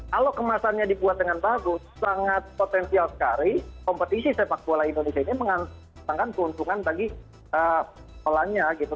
kalau kemasannya dibuat dengan bagus sangat potensial sekali kompetisi sepak bola indonesia ini mengatakan keuntungan bagi polanya gitu